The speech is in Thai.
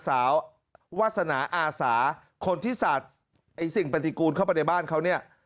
วาสนาอาสาคนที่สาดไอ้สิ่งปฏิกูลเข้าไปในบ้านเขาเนี่ย